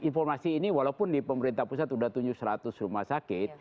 informasi ini walaupun di pemerintah pusat sudah tunjuk seratus rumah sakit